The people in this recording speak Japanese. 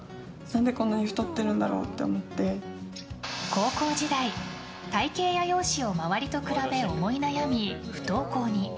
高校時代、体形や容姿を周りと比べ思い悩み、不登校に。